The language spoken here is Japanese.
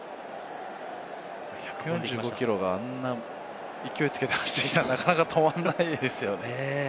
１４５キロがあんなに勢いつけて走ってきたらなかなか止まらないですよね。